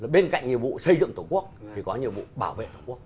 bên cạnh nhiệm vụ xây dựng tổ quốc thì có nhiệm vụ bảo vệ tổ quốc